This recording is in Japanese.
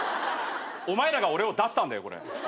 お前らが俺を出したんだよ。